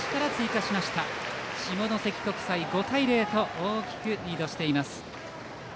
下関国際、５対０と大きくリードしています。